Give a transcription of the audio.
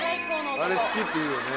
あれ好きっていうよね